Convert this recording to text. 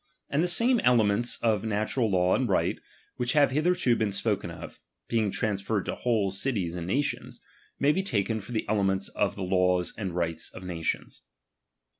And the same elements of natural law and right, which have hitherto been spoken of, being transferred to whole cities and nations, may be taken for the elements of the laws and right of nations.